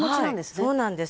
はいそうなんです。